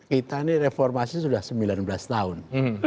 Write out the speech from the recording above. kita ini reformasi sudah sembilan belas tahun